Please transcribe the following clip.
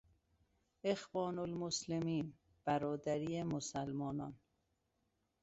اخوان المسلمین، برادری مسلمانان